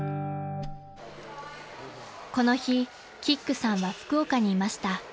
［この日キックさんは福岡にいました］